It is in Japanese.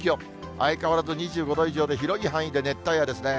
相変わらず２５度以上で広い範囲で熱帯夜ですね。